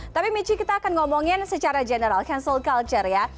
tapi michi kita akan ngomongin secara general cancel culture ya